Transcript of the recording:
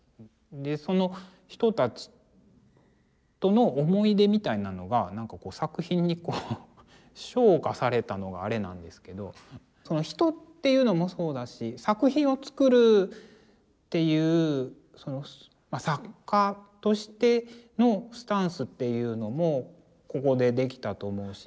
でその人たちとの思い出みたいなのがなんか作品にこう昇華されたのがあれなんですけど人っていうのもそうだし作品を作るっていう作家としてのスタンスっていうのもここでできたと思うし。